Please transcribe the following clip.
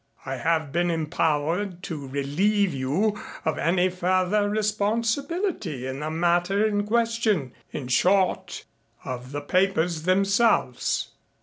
I have been empowered to relieve you of any further responsibility in the matter in question in short of the papers themselves."